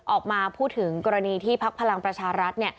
ออกมาพูดถึงกรณีที่พักพลังประชารัฐ